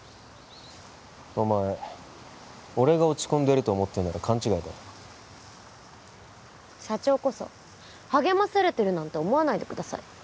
お前俺が落ち込んでると思ってるなら勘違いだ社長こそ励まされてるなんて思わないでください